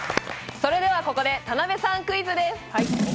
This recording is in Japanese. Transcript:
それではここで田辺さんクイズです。